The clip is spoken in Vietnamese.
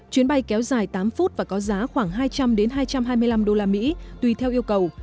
chuyến bay kéo dài tám phút và có giá khoảng hai trăm linh hai trăm hai mươi năm usd tùy theo yêu cầu